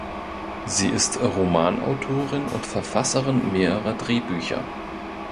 Sie ist Romanautorin und Verfasserin mehrerer Drehbücher.